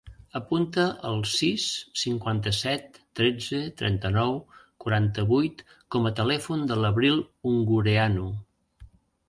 Apunta el sis, cinquanta-set, tretze, trenta-nou, quaranta-vuit com a telèfon de l'Abril Ungureanu.